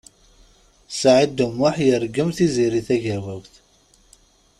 Saɛid U Muḥ yergem Tiziri Tagawawt.